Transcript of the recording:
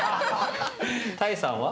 多江さんは？